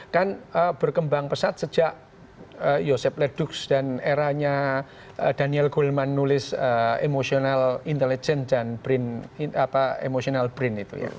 kan berkembang pesat sejak joseph leducs dan eranya daniel goleman nulis emotional intelligence dan emotional brain itu